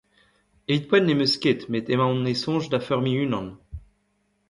Evit ar poent ne’m eus ket met emaon e soñj da feurmiñ unan.